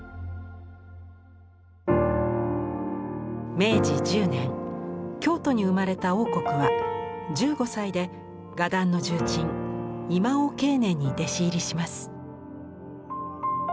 明治１０年京都に生まれた櫻谷は１５歳で画壇の重鎮今尾景年に弟子入りします。